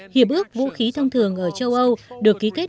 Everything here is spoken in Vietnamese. hiệp ước vũ khí thông thường ở đức đã được đề xuất